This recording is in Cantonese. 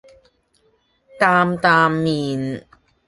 擔擔麵